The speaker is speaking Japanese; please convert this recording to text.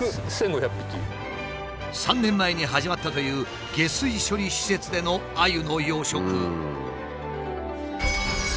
３年前に始まったという下水処理施設でのアユの養殖。